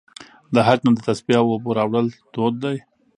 د حج نه د تسبیح او اوبو راوړل دود دی.